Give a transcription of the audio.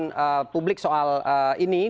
pada saat ini kita sudah berhubung dengan pemerintah